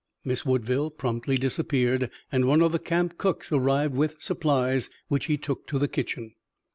Miss Woodville promptly disappeared, and one of the camp cooks arrived with supplies, which he took to the kitchen.